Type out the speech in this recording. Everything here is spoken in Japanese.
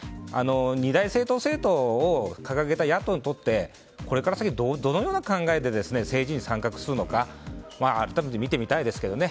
二大政党制度を掲げた野党にとってこれから先どのような考えで政治に参画するのか改めて見たいですけどね。